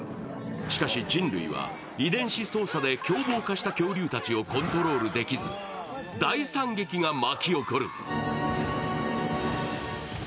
しかし、人類は遺伝子操作で狂暴化した恐竜たちをコントロールできず、大惨劇が巻き起こる。